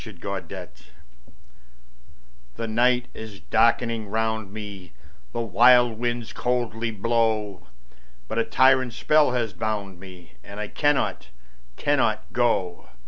Y Z The Night THE night is darkening round me, The wild winds coldly blow; But a tyrant spell has bound me And I cannot, cannot go.